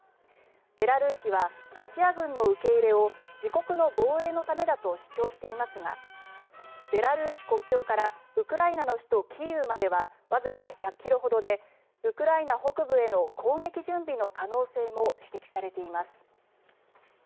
ベラルーシはロシア軍の受け入れを自国の防衛のためだと主張していますがベラルーシ国境からウクライナの首都キーウまではわずか１００ｋｍほどでウクライナ北部への攻撃準備の可能性も指摘されています。